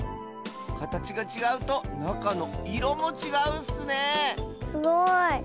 かたちがちがうとなかのいろもちがうッスねえすごい。